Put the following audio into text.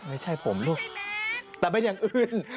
ไม่ใช่ผมลูกแต่เป็นอย่างอื่น